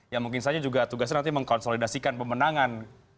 ya mungkin saja juga tugasnya nanti mengkonsolidasikan pemenangan